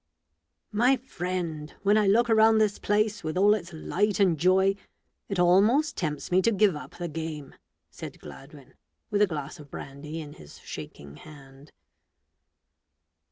"My friend, when I look around this place, with all its light and joy, it almost tempts me to give up the game," said Gladwin, with a glass of brandy in his shaking hand.